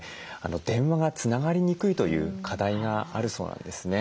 電話がつながりにくいという課題があるそうなんですね。